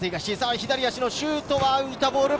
左足のシュートは浮いたボール。